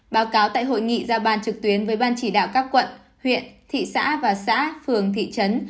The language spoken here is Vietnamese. báo cáo tại hội nghị ra ban trực tuyến với ban chỉ đạo các quận huyện thị xã và xã phường thị trấn